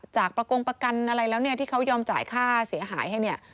จากประกงประกันอะไรแล้วที่เขายอมจ่ายค่าเสียหายให้